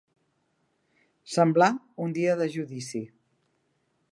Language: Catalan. Semblar un dia de judici.